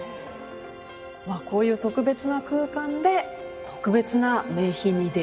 まあこういう特別な空間で特別な名品に出会う。